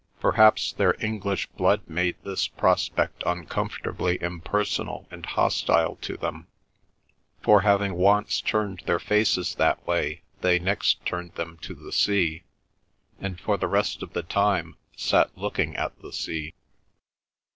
Perhaps their English blood made this prospect uncomfortably impersonal and hostile to them, for having once turned their faces that way they next turned them to the sea, and for the rest of the time sat looking at the sea.